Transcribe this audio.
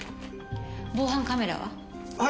防犯カメラは？